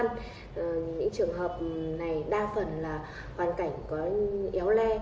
những trường hợp này đa phần là hoàn cảnh có éo le